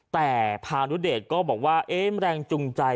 แต่พานุเดชก็บอกว่าแรงจูงใจ